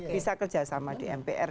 bisa kerjasama di mpr